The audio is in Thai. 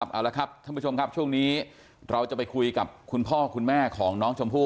เอาละครับท่านผู้ชมครับช่วงนี้เราจะไปคุยกับคุณพ่อคุณแม่ของน้องชมพู่